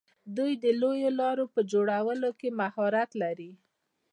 دوی د لویو لارو په جوړولو کې مهارت لري.